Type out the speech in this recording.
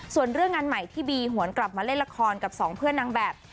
ส่วนเรื่องงานใหม่ที่บีหวนกลับมาเล่นละครกับสองเพื่อนนางแบบ